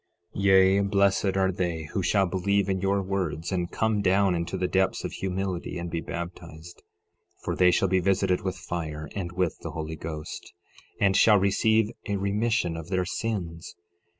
Yea, blessed are they who shall believe in your words, and come down into the depths of humility and be baptized, for they shall be visited with fire and with the Holy Ghost, and shall receive a remission of their sins.